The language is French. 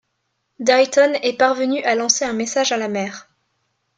Dayton est parvenu à lancer un message à la mer.